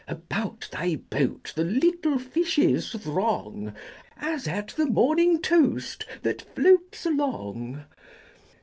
About thy boat the little fishes throng, As at the morning toast that floats along.